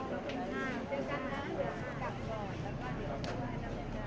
ได้ได้ได้เพราะว่าคือเราไม่ได้ไม่ได้เป็นคนที่ที่ดี